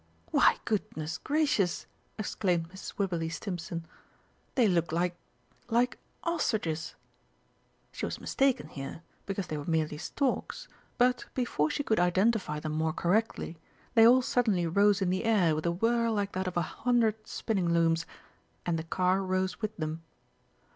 "Why, goodness gracious!" exclaimed Mrs. Wibberley Stimpson, "they look like like ostriches!" She was mistaken here, because they were merely storks, but, before she could identify them more correctly, they all suddenly rose in the air with a whirr like that of a hundred spinning looms and the car rose with them.